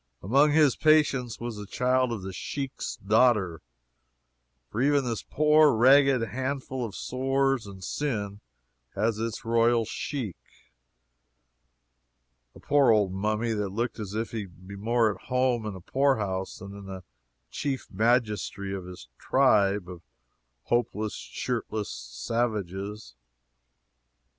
Among his patients was the child of the Shiek's daughter for even this poor, ragged handful of sores and sin has its royal Shiek a poor old mummy that looked as if he would be more at home in a poor house than in the Chief Magistracy of this tribe of hopeless, shirtless savages.